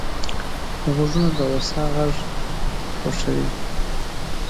غوږونه د هوسا غږ خوښوي